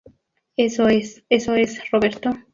eso es. eso es, Roberto.